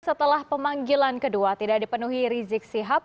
setelah pemanggilan kedua tidak dipenuhi rizik sihab